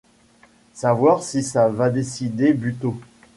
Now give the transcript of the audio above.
Savoir si ça va décider Buteau!